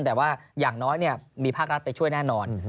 แต่ว่าอย่างน้อยมีภาครัฐไปช่วยแน่นอน